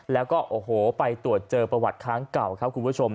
แล้วก็โอ้โหไปตรวจเจอประวัติครั้งเก่าครับคุณผู้ชม